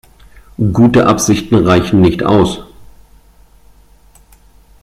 Gute Absichten reichen nicht aus.